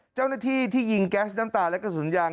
เจ้าหน้าที่ที่ยิงแก๊สน้ำตาและกระสุนยาง